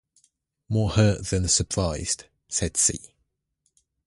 "More hurt than surprised," said C.